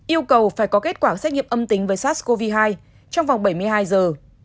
yêu cầu phải có kết quả xét nghiệm âm tính với sars cov hai trong vòng bảy mươi hai giờ